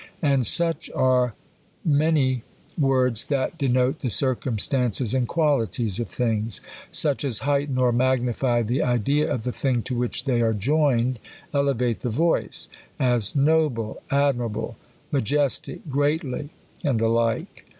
And such are many words that de note the circumstances and qualities of things. Such as heighten or magnify the idea of the thing to w^hich they are joined, elevate the voice ; as, noble, admira ble, majestic, greatly, and the like.